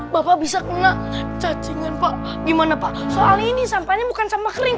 bapak bisa kena cacingan pak gimana pak soal ini sampahnya bukan sampah kering